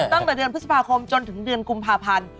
ตั้งแต่เดือนพฤษภาคมจนถึงเดือนกุมภาพันธ์